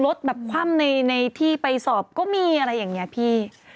รถแบบคว่ำในที่ไปสอบก็มีอะไรอย่างนี้พี่